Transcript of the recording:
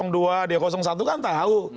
dua dia satu kan tahu